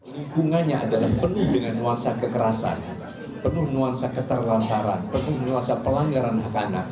lingkungannya adalah penuh dengan nuansa kekerasan penuh nuansa keterlantaran penuh nuansa pelanggaran hak anak